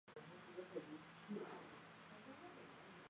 短鳍虫鳗为蠕鳗科虫鳗属的鱼类。